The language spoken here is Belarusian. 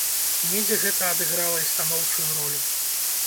Недзе гэта адыграла і станоўчую ролю.